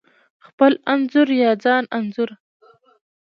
خپل انځور یا ځان انځور: